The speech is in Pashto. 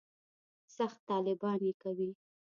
سخت طالبان یې کوي.